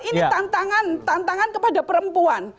ini tantangan kepada perempuan